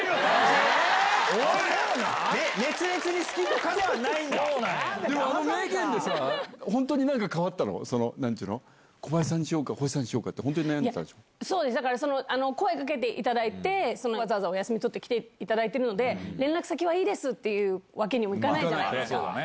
でも、あの名言でさ、本当になんか変わったの？なんていうの、小林さんにしようか、星さんにしようかって、いや、そうです、だから声かけていただいて、わざわざお休み取って来ていただいてるので、連絡先はいいですっていうわけにもいかないじゃないですか。